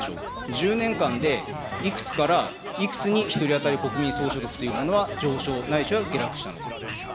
１０年間でいくつからいくつに、１人当たり国民総所得というのは上昇、ないしは下落したのか。